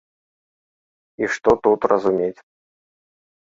І што тут разумець.